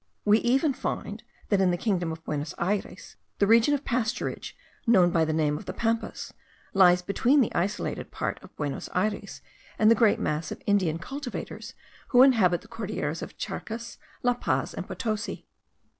We even find, that, in the kingdom of Buenos Ayres, the region of pasturage, known by the name of the Pampas, lies between the isolated part of Buenos Ayres and the great mass of Indian cultivators, who inhabit the Cordilleras of Charcas, La Paz, and Potosi.